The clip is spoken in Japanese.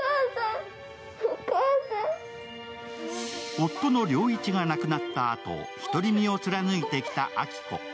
夫の良一が亡くなったあと、独り身を貫いてきた亜希子。